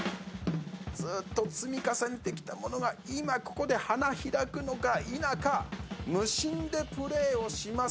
ずっと積み重ねてきたものが今ここで花開くのか否か無心でプレーをします。